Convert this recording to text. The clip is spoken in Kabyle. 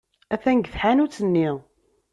Atan deg tḥanut-nni.